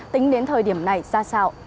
tính đến thời điểm này ra sao